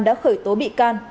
đã khởi tố bị can